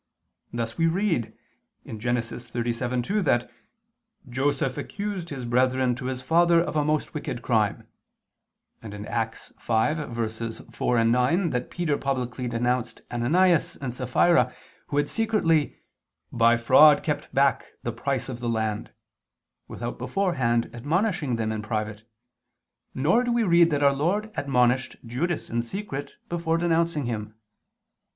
Thus we read (Gen. 37:2) that "Joseph accused his brethren to his father of a most wicked crime": and (Acts 5:4, 9) that Peter publicly denounced Ananias and Saphira who had secretly "by fraud kept back the price of the land," without beforehand admonishing them in private: nor do we read that Our Lord admonished Judas in secret before denouncing him.